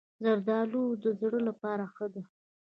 زردالو د زړه لپاره ښه ده.